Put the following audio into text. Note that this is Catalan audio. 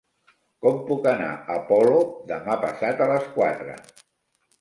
Com puc anar a Polop demà passat a les quatre?